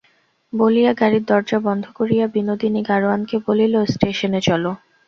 বলিয়া গাড়ির দরজা বন্ধ করিয়া বিনোদিনী গাড়োয়ানকে বলিল, স্টেশনে চলো।